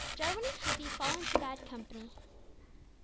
JARWIN AND CUFFY FALL INTO BAD COMPANY.